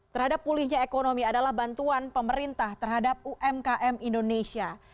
terhadap pulihnya ekonomi adalah bantuan pemerintah terhadap umkm indonesia